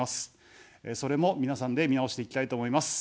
それも皆さんで見直していきたいと思います。